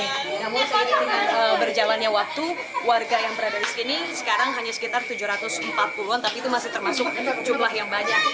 namun saat dengan berjalannya waktu warga yang berada di sini sekarang hanya sekitar tujuh ratus empat puluh an tapi itu masih termasuk jumlah yang banyak